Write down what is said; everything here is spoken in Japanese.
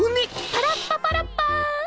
パラッパパラッパ！